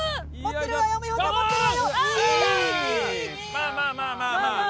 まあまあまあまあ。